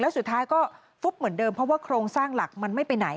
แล้วสุดท้ายก็ฟุบเหมือนเดิมเพราะว่าโครงสร้างหลักมันไม่ไปไหน